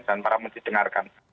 dan para penyidik dengarkan